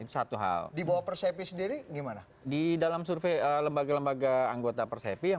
satu hal dibawa persepi sendiri gimana di dalam survei lembaga lembaga anggota persepi yang